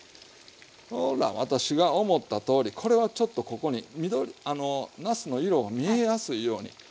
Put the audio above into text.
ほら私が思ったとおりこれはちょっとここになすの色が見えやすいように。